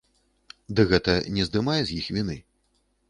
Ды гэта не здымае з іх віны.